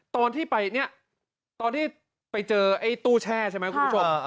ตอนที่ไปเนี่ยตอนที่ไปเจอไอ้ตู้แช่ใช่ไหมคุณผู้ชม